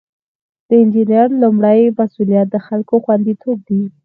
د انجینر لومړی مسؤلیت د خلکو خوندیتوب دی.